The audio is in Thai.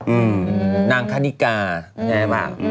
อืมนางขานิกขาไงบ้าง